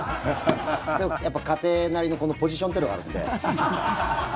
でも、やっぱり家庭なりのポジションってのがあるんで。